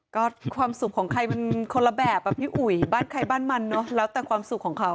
ก็ความสุขของใครมันคนละแบบอ่ะพี่อุ๋ยบ้านใครบ้านมันเนอะแล้วแต่ความสุขของเขา